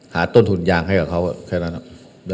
ต้นทุนยางให้กับเขาแค่นั้น